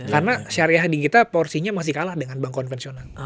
karena syariah di kita porsinya masih kalah dengan bank konvensional